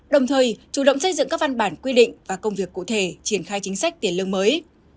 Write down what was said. đồng thời chủ động xây dựng các văn bản quy định và công việc cụ thể triển khai chính sách tiền lương mới